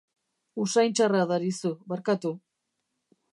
Usain txarra darizu, barkatu.